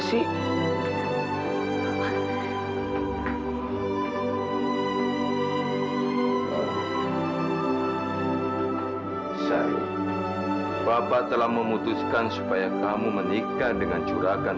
saya bapak telah memutuskan supaya kamu menikah dengan curagan